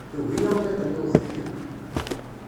Tugi amḍiq-nni uxeddim.